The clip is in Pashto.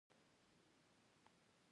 موټروان او ترانسپورت